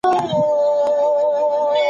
هره ورځ سبزیحات خورم؟!